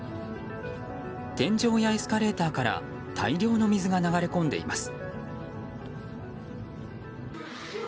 天井やエスカレーターから大量の水が流れ込んでいます。